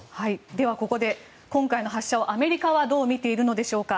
では、ここで今回の発射をアメリカはどう見ているのでしょうか。